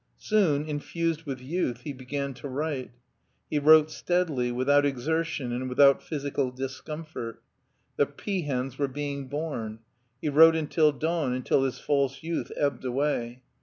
Soon, infused with 3routh, he began to write. He wrote steadily, without exertion, and without physical discomfort. The pea hens were being bom. He wrote until dawn, until his false youth ebbed away.